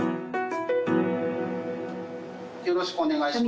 よろしくお願いします。